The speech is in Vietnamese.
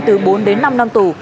từ bốn đến năm năm tù